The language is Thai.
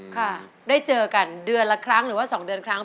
ค่ะได้เจอกันเดือนละครั้งหรือว่า๒เดือนครั้ง